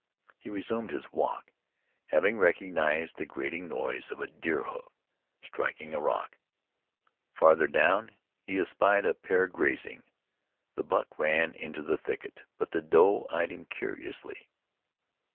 He resumed his walk, having recognized the grating noise of a deer hoof striking a rock. Farther down he espied a pair grazing. The buck ran into the thicket; but the doe eyed him curiously.